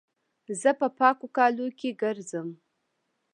زه په پاکو کالو کښي ګرځم.